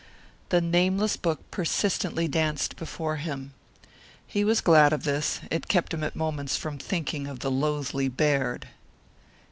The nameless book persistently danced before him. He was glad of this. It kept him at moments from thinking of the loathly Baird.